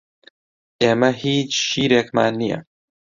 ئێمە هیچ شیرێکمان نییە.